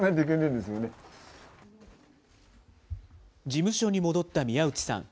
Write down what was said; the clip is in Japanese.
事務所に戻った宮内さん。